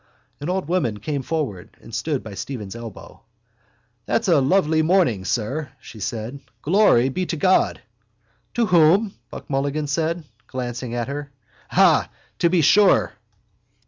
An old woman came forward and stood by Stephen's elbow. —That's a lovely morning, sir, she said. Glory be to God. —To whom? Mulligan said, glancing at her. Ah, to be sure!